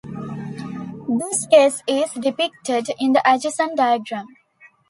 This case is depicted in the adjacent diagram.